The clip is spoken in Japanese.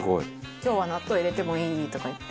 「今日は納豆入れてもいい？」とか言って。